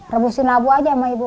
rebusin abu aja sama ibu